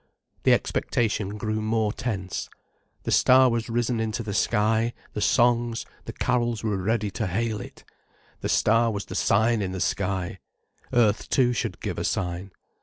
The expectation grew more tense. The star was risen into the sky, the songs, the carols were ready to hail it. The star was the sign in the sky. Earth too should give a sign.